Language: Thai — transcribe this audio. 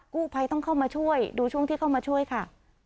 กู้ภัยต้องเข้ามาช่วยดูช่วงที่เข้ามาช่วยค่ะ